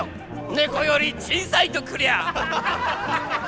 猫より小さいとくりゃあ」。